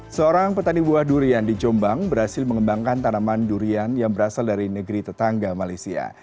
seorang petani buah durian di jombang berhasil mengembangkan tanaman durian yang berasal dari negeri tetangga malaysia